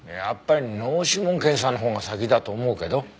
やっぱり脳指紋検査のほうが先だと思うけど。